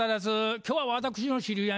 今日は私の知り合いのね